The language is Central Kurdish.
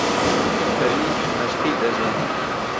پەری مەشکەی دەژێنێ